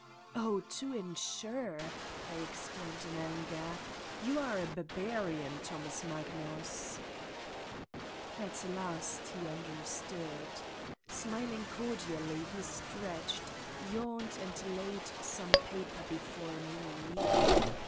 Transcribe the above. "Oh! to insure!" I exclaimed in anger: "you are a barbarian, Thomas Magnus !'' At last he understood. Smiling cordially, he stretched, yawned and laid some paper before me.